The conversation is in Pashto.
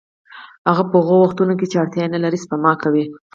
هغه په هغو وختونو کې چې اړتیا نلري سپما کوي